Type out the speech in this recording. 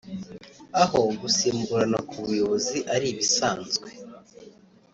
aho gusimburana ku buyobozi ari ibisanzwe